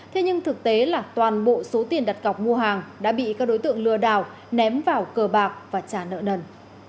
thế nhưng thực tế là toàn bộ số tiền đặt cọc mua hàng đã bị các đối tượng lừa đảo ném vào cờ bạc và trả nợ nần